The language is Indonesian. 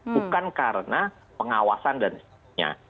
bukan karena pengawasan dan sebagainya